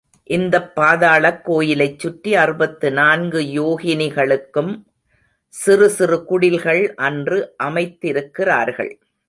இந்தப் பாதாளக் கோயிலைச் சுற்றி அறுபத்து நான்கு யோகினிகளுக்கும் சிறு சிறு குடில்கள் அன்று அமைத்திருக்கிறார்கள்.